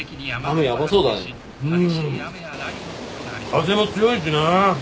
風も強いしな。